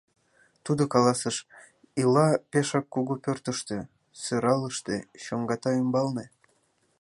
Тудо каласыш: ила пешак кугу пӧртыштӧ, сӧралыште, чоҥгата ӱмбалне.